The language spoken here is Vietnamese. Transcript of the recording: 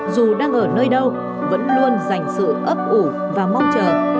dù đang ở nơi đâu vẫn luôn dành sự ấp ủ và mong chờ